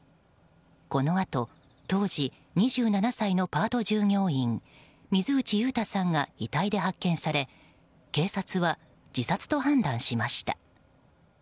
このあと当時２７歳のパート従業員水内悠太さんが遺体で発見され警察は、自殺と判断しました。